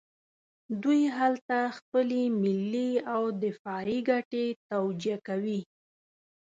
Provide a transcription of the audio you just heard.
دوی هلته خپلې ملي او دفاعي ګټې توجیه کوي.